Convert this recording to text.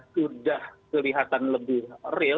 sudah kelihatan lebih real